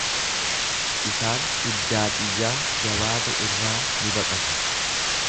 Isaan iddaa xiyyaa jabaate irraa ni baqatu.